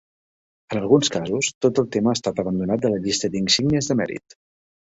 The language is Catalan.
En alguns casos, tot el tema ha estat abandonat de la llista d'insígnies de mèrit.